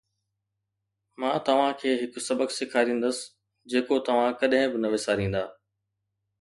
مان توهان کي هڪ سبق سيکاريندس جيڪو توهان ڪڏهن به نه وساريندا